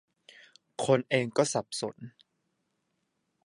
คนเองก็สับสน